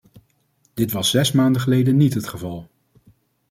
Dit was zes maanden geleden niet het geval.